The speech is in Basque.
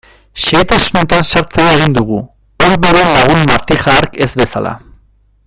Xehetasunetan sartzera egin dugu, Orberen lagun Martija hark ez bezala.